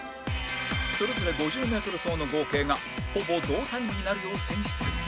それぞれ５０メートル走の合計がほぼ同タイムになるよう選出